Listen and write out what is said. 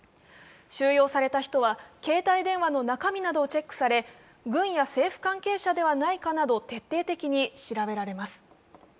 収容された人は携帯電話の中身などをチェックされ、軍や政府関係者ではないかなど徹底的に調べられます。